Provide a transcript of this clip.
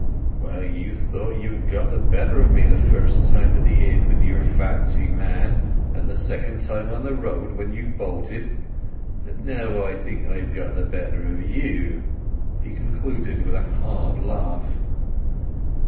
Well, you thought you had got the better of me the first time at the inn with your fancy man, and the second time on the road, when you bolted; but now I think I've got the better of you." He concluded with a hard laugh.